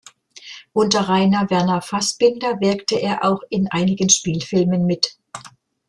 Unter Rainer Werner Fassbinder wirkte er auch in einigen Spielfilmen mit.